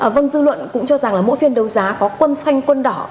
vâng dư luận cũng cho rằng là mỗi phiên đấu giá có quân xoanh quân đỏ